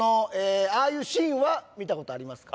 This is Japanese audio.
ああいうシーンは見たことありますか？